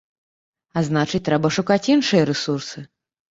А значыць, трэба шукаць іншыя рэсурсы.